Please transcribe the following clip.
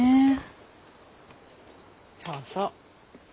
そうそう。